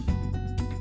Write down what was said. để đẩy buộcanson